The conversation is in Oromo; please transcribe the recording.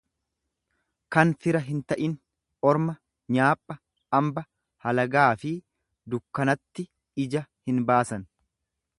kan fira hinta'in, orma, nyaapha, amba; Halagaafi dukkanatti ija hinbaasan.